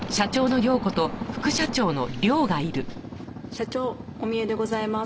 社長お見えでございます。